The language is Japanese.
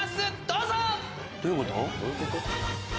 どういうこと？